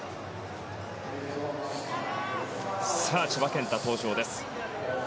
千葉健太、登場です。